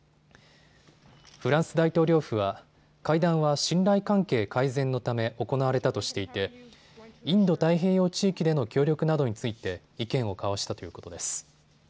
フランス大統領府は会談は信頼関係改善のため行われたとしていてインド太平洋地域での協力などについて意見を交わしたということです。